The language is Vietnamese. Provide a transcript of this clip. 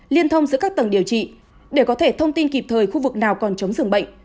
liên thông giữa các tầng điều trị để có thể thông tin kịp thời khu vực nào còn chống giường bệnh